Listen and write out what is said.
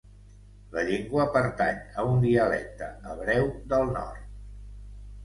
La llengua pertany a un dialecte hebreu del nord.